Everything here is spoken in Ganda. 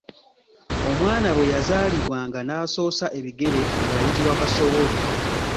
Omwana bwe yazaalibwanga n’asoosa ebigere ng’ayitibwa kasowole.